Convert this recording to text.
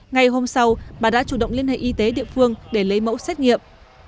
ngày hôm sau bà đã chủ động liên hệ y tế địa phương để lấy mẫu xét nghiệm